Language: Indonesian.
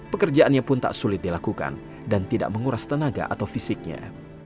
pekerjaannya pun tak sulit dilakukan dan tidak menguras tenaga atau fisiknya